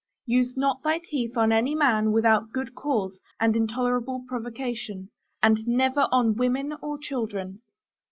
Use not thy teeth on any man without good cause and intolerable provocation; and never on women or children.